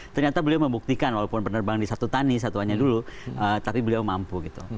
ternyata beliau membuktikan walaupun penerbang di satu tani satuannya dulu tapi beliau mampu gitu